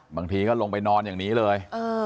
บางทีก็ลงไปนอนอย่างนี้เลย